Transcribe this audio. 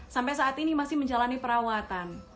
sampai saat ini masih menjalani perawatan